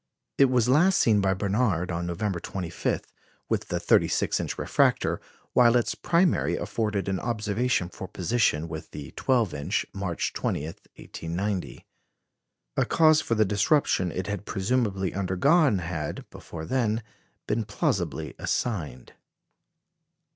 It was last seen by Barnard on November 25, with the thirty six inch refractor, while its primary afforded an observation for position with the twelve inch, March 20, 1890. A cause for the disruption it had presumably undergone had, before then, been plausibly assigned.